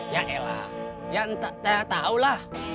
ya entah tau lah